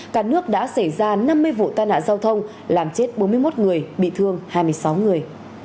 cả nước đã xảy ra năm mươi vụ tai nạn giao thông làm chết bốn mươi một người bị thương hai mươi sáu người